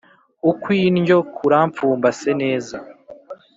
ukw’indyo kurampfumbase neza